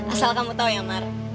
asal kamu tau ya mas